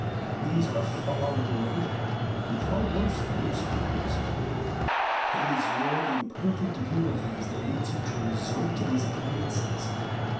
These are far greater and far Avorse than you suppose. And it is your imper fect view of these that leads you to resort to these appliances.